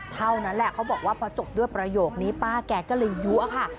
เท่านั้นแหละเขาบอกว่าพอจบด้วยประโยคนี้ป้าแกก็เลยยั้วค่ะ